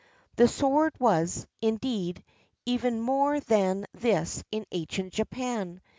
The sword was, indeed, even more than this in ancient Japan.